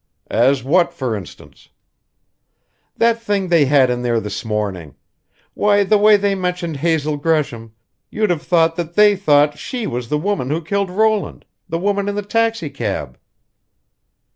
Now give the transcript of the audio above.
"As what, for instance?" "That thing they had in there this morning. Why, the way they mentioned Hazel Gresham, you'd have thought that they thought she was the woman who killed Roland the woman in the taxicab."